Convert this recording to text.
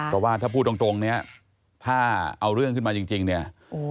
เพราะว่าถ้าพูดตรงเนี่ยถ้าเอาเรื่องขึ้นมาจริงเนี่ย